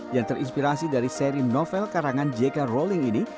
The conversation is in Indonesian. yang terinspirasi dari seri novel karangan j k rowling ini